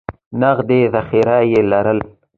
نغدي ذخایر یې لرل.